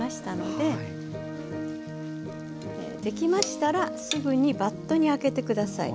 できましたらすぐにバットに空けて下さい。